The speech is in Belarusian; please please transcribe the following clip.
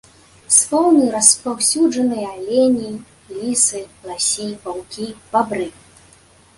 З фаўны распаўсюджаныя алені, лісы, ласі, ваўкі, бабры.